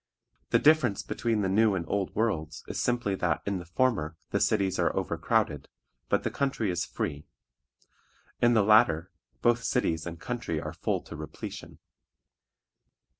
The difference between the New and Old worlds is simply that in the former the cities are overcrowded, but the country is free; in the latter, both cities and country are full to repletion.